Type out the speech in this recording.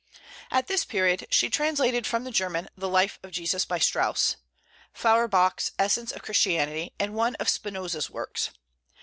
At this period she translated from the German the "Life of Jesus," by Strauss, Feuerbach's "Essence of Christianity," and one of Spinoza's works.